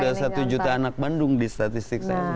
sekarang sudah satu juta anak bandung di statistik saya